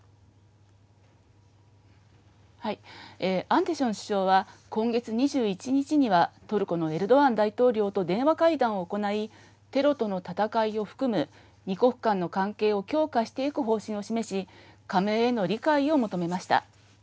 アンデション首相は今月２１日にはトルコのエルドアン大統領と電話会談を行いテロとの戦いを含む２国間の関係を強化していく方針を示し加盟への理解を求めました。